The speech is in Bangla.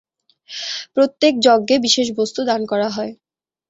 প্রত্যেক যজ্ঞে বিশেষ বস্তু দান করা হয়।